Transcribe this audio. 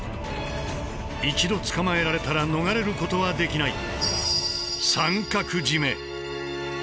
一度捕まえられたら逃れることはできない。